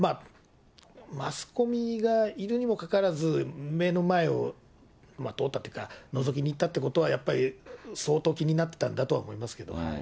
マスコミがいるにもかかわらず、目の前を通ったっていうか、のぞきにいったってことは、やっぱり、相当気になったんだとは思いますけど。